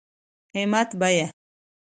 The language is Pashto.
قيمت √ بيه